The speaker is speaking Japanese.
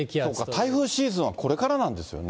台風シーズンはこれからなんですよね。